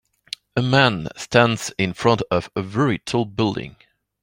A man stands in front of a very tall building